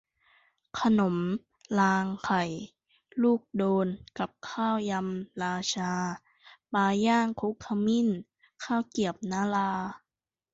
ขนมรางไข่ ลูกโดน กับ ข้าวยำ 'ราชา' ปลาย่างคลุกขมิ้น ข้าวเกรียบนรา